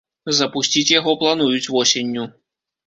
Запусціць яго плануюць восенню.